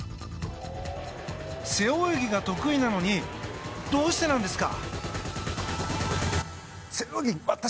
背泳ぎが得意なのにどうしてなんですか？